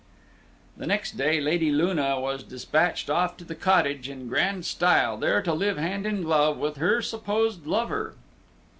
The next day Lady Luna was dispatched off to the cottage in grand style, there to live hand in glove with her supposed lover.